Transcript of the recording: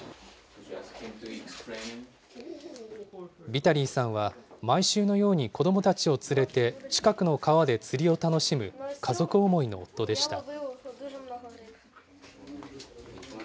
ビタリーさんは、毎週のように子どもたちを連れて、近くの川で釣りを楽しむ家族思いの夫でした。